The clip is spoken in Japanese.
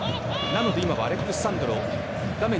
なので今はアレックス・サンドロ画面